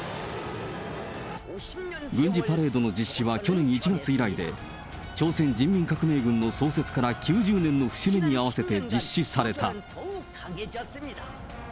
軍事パレードの実施は去年１月以来で、朝鮮人民革命軍の創設から９０年の節目に合わせて実施された。